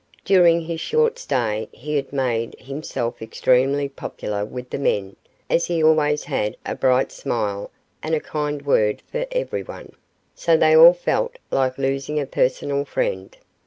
During his short stay he had made himself extremely popular with the men, as he always had a bright smile and a kind word for everyone, so they all felt like losing a personal friend.